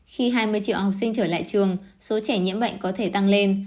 khi hai mươi triệu học sinh trở lại trường số trẻ nhiễm bệnh có thể tăng lên